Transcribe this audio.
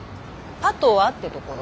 パトワってところ。